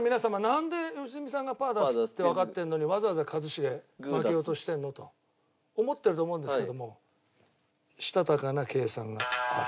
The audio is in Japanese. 「なんで良純さんがパー出すってわかってるのにわざわざ一茂負けようとしてるの？」と思ってると思うんですけどもしたたかな計算がある。